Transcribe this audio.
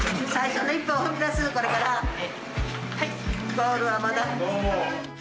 ゴールはまだ。